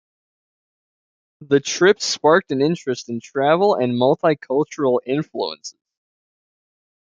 The trip sparked an interest in travel and multicultural influences.